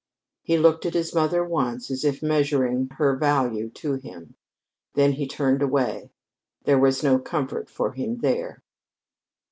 He looked at his mother once, as if measuring her value to him. Then he turned away. There was no comfort for him there.